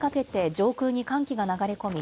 上空に寒気が流れ込み